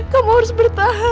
kamu harus bertahan